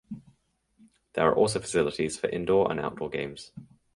There are also facilities for indoor and outdoor games.